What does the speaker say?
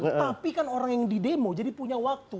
tapi kan orang yang di demo jadi punya waktu